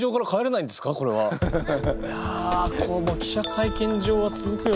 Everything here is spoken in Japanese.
いやこの記者会見場は続くよ